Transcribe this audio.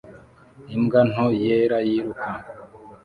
Imbwa nto yera yiruka